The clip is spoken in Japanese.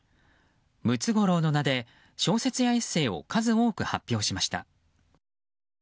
ムツゴロウの名で小説やエッセーを数多く発表しました。